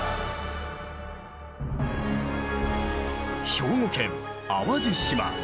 兵庫県淡路島。